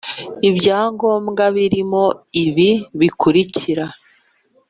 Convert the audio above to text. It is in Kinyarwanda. ibyangombwa birimo ibi bikurikira